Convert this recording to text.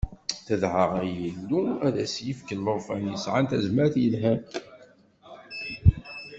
Tedɛa i Yillu ad as-d-yefk llufan yesɛan tazmert yelhan.